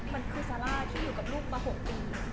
มันคือซาร่าที่อยู่กับลูกมา๖ปี